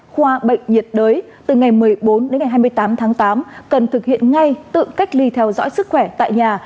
khoa bệnh nhiệt đới từ ngày một mươi bốn đến ngày hai mươi tám tháng tám cần thực hiện ngay tự cách ly theo dõi sức khỏe tại nhà